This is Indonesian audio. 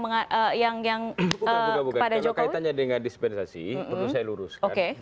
bukan bukan kalau kaitannya dengan dispensasi perlu saya luruskan